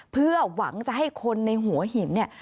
เพื่อหวังจะให้คนในหัวหินเนี่ย